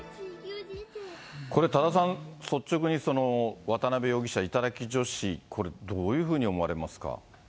これ、多田さん、率直に、渡辺容疑者、頂き女子、これ、どういうふうに思われますか。